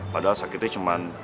padahal sakitnya cuman